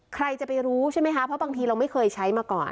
ใครจะไปรู้ใช่ไหมคะเพราะบางทีเราไม่เคยใช้มาก่อน